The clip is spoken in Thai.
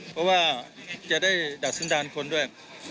เพราะว่าจะได้ดัดสันดาลคนด้วย